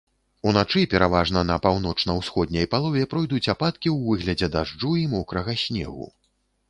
Уначы пераважна на паўночна-ўсходняй палове пройдуць ападкі ў выглядзе дажджу і мокрага снегу.